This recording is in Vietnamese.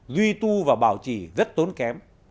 duy tu và bảo trì rất tốn kém